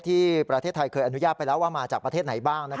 ที่ประเทศไทยเคยอนุญาตไปแล้วว่ามาจากประเทศไหนบ้าง